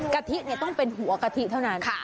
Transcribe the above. กะทิต้องเป็นหัวกะทิเท่านั้น